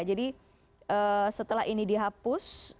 jadi setelah ini dihapus